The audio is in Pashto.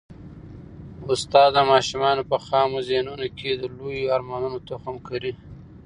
استاد د ماشومانو په خامو ذهنونو کي د لویو ارمانونو تخم کري.